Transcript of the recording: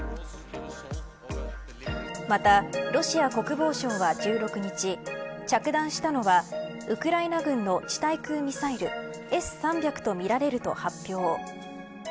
また、ロシア国防省は１６日着弾したのはウクライナ軍の地対空ミサイルＳ３００とみられると発表。